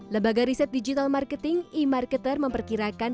lembaga riset digital marketing e marketer memperkirakan